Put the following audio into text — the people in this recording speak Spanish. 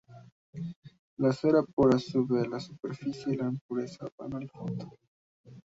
La cera pura sube a la superficie y las impurezas van al fondo.